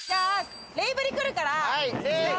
レイブリ来るから。